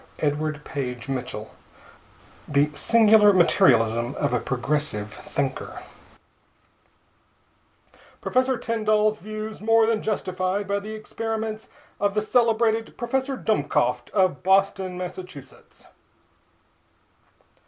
THE SOUL SPECTROSCOPE The Singular Materialism of a Progressive Thinker PROFESSOR TYNDALL'S VIEWS MORE THAN JUSTIFIED BY THE EXPERIMENTS OF THE CELEBRATED PROFESSOR DUMMKOPT OF BOSTON, MASS.